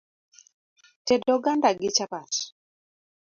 Ted oganda gi chapat.